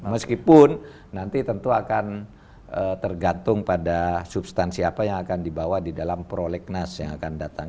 meskipun nanti tentu akan tergantung pada substansi apa yang akan dibawa di dalam prolegnas yang akan datang